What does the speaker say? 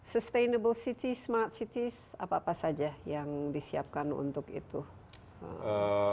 sustainable citi smart cities apa apa saja yang disiapkan untuk itu